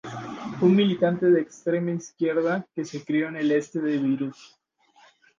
Fue un militante de extrema izquierda que se crió en el este de Beirut.